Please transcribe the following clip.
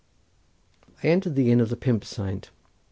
I entered the inn of the "Pump Saint."